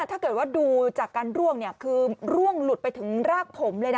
ถ้าเกิดว่าดูจากการร่วงคือร่วงหลุดไปถึงรากผมเลยนะ